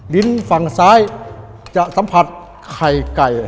ลิ้นฝั่งซ้ายจะสัมผัสไข่ไก่